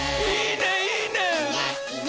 いいねいいね！